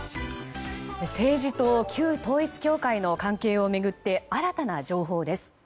政治と旧統一教会の関係を巡って新たな情報です。